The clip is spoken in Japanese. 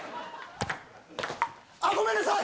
あっごめんなさい！